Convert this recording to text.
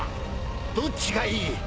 どっちがいい？